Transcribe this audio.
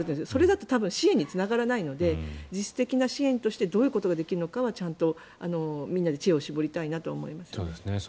それだと支援につながらないので実質的な支援としてどういうことができるかはみんなで知恵を絞りたいと思いますね。